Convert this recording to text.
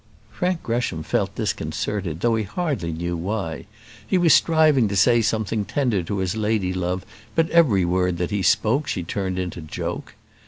Frank Gresham felt disconcerted, though he hardly knew why. He was striving to say something tender to his lady love; but every word that he spoke she turned into joke.